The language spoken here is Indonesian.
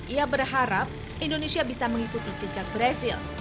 ia berharap indonesia bisa mengikuti jejak brazil